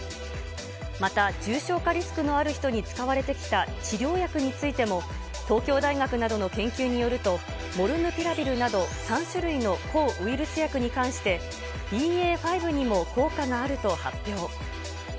また重症化リスクのある人に使われてきた治療薬についても、東京大学などの研究によると、モルヌピラビルなど３種類の抗ウイルス薬に関して、ＢＡ．５にも効果があると発表。